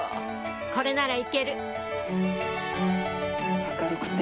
これなら行ける